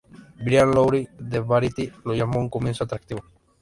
Bryan Lowry de Variety lo llamó "un comienzo atractivo".